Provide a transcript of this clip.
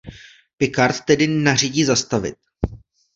Picard tedy nařídí zastavit.